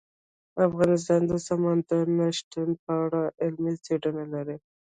افغانستان د سمندر نه شتون په اړه علمي څېړنې لري.